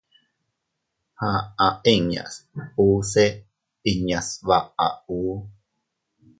Aʼa inñas usse inña sbaʼa ù.